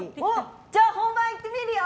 じゃあ本番行ってみるよ！